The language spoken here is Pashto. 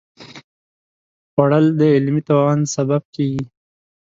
خوړل د علمي توان سبب کېږي